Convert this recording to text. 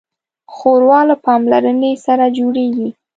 ښوروا له پاملرنې سره جوړیږي.